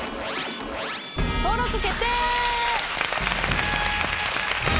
登録決定！